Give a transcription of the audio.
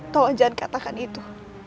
tolong jangan katakan itu